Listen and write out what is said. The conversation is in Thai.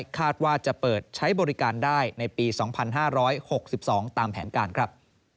คาดว่าจะเปิดใช้บริการได้ในปี๒๕๖๒ตามแผนการครับ